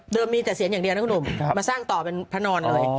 มีแต่เสียงอย่างเดียวนะคุณหนุ่มมาสร้างต่อเป็นพระนอนเลย